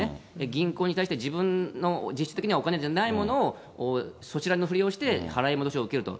銀行に対して、自分のお金じゃないものをそ知らぬふりをして、払い戻しを受けると。